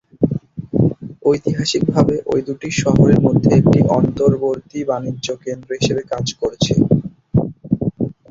ঐতিহাসিকভাবে এটি ঐ দুই শহরের মধ্যে একটি অন্তর্বর্তী বাণিজ্যকেন্দ্র হিসেবে কাজ করেছে।